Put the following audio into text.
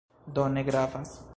Do, ne gravas."